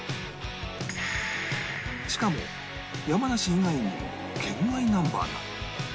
しかも山梨以外にも県外ナンバーが